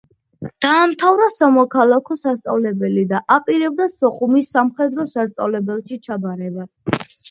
დაამთავრა სამოქალაქო სასწავლებელი და აპირებდა სოხუმის სამხედრო სასწავლებელში ჩაბარებას.